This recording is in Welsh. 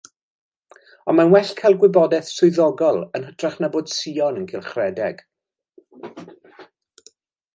Ond mae'n well cael gwybodaeth swyddogol yn hytrach na bod sïon yn cylchredeg.